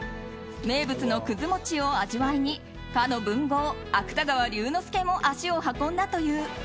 名物のくず餅を味わいにかの文豪・芥川龍之介も足を運んだという。